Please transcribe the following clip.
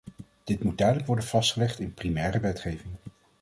Dit moet duidelijk worden vastgelegd in primaire wetgeving.